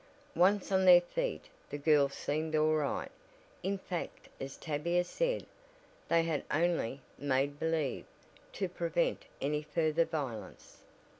Once on their feet the girls seemed all right, in fact as Tavia said, they had only "made believe" to prevent any further violence.